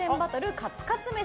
カツカツ飯。